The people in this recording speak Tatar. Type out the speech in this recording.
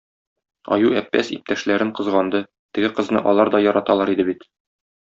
Аю-Әппәз иптәшләрен кызганды: теге кызны алар да яраталар иде бит.